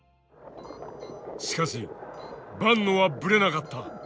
しかし坂野はブレなかった。